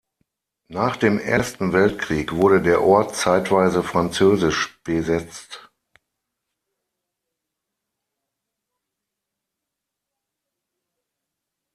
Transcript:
Nach dem Ersten Weltkrieg wurde der Ort zeitweise französisch besetzt.